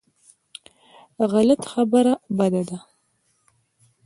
غلط خبره بده ده.